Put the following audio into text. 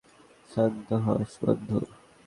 শান্ত হ, বন্ধু।